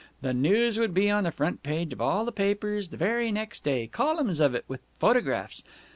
The news would be on the front page of all the papers the very next day columns of it, with photographs.